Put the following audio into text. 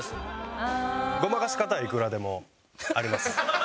ごまかし方はいくらでもあります。